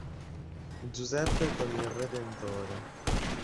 Giuseppe con il Redentore”".